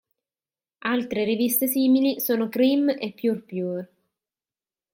Altre riviste simili sono "Cream" e "Pure Pure".